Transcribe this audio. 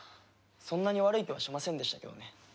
そんなに悪い気はしませんでしたけどね。